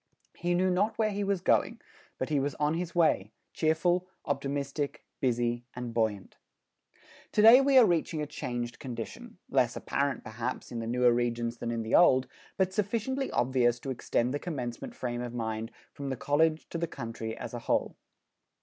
He knew not where he was going, but he was on his way, cheerful, optimistic, busy and buoyant. To day we are reaching a changed condition, less apparent perhaps, in the newer regions than in the old, but sufficiently obvious to extend the commencement frame of mind from the college to the country as a whole.